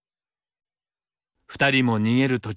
２人も逃げる